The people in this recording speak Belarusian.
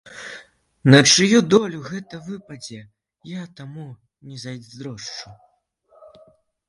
На чыю долю гэта выпадзе, я таму не зайздрошчу.